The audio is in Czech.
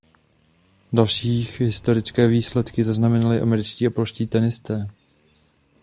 Dalších historické výsledky zaznamenali američtí a polští tenisté.